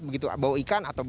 bau ikan atau bau